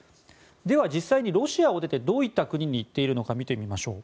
では実際にロシアを出てどういった国に行っているのか見てみましょう。